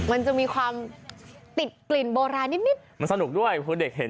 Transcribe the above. มันจะมีความปิดกลิ่นโบราณนิด